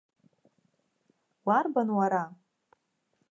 Уарбан, уара?!